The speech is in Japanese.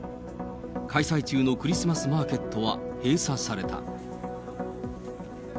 開催中のクリスマスマーケットは閉鎖された。